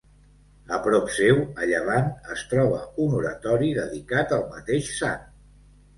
A prop seu, a llevant, es troba un oratori dedicat al mateix sant.